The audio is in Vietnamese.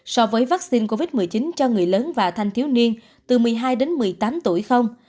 so với vaccine covid một mươi chín cho người lớn và thanh thiếu niên từ một mươi hai đến một mươi tám tuổi không